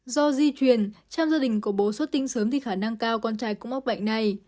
do di truyền trong gia đình của bố xuất tinh sớm thì khả năng cao con trai cũng mắc bệnh này